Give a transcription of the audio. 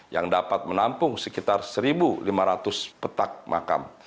yang dapat menampung sekitar satu lima ratus petak makam